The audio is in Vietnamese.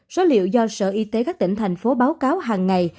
số liệu do sở y tế các tỉnh thành phố báo cáo hàng ngày